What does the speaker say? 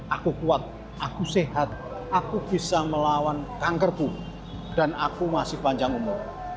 aku kuat aku sehat aku bisa melawan kankerku dan aku masih panjang umur